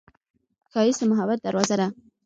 ښایست د محبت دروازه ده